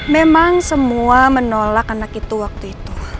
memang semua menolak anak itu waktu itu